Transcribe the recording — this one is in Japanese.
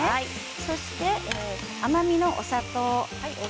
そして甘みのお砂糖。